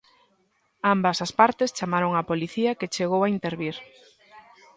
Ambas as partes chamaron á Policía que chegou a intervir.